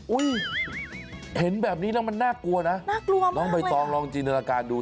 เห็นแบบนี้แล้วมันน่ากลัวนะน่ากลัวน้องใบตองลองจินตนาการดู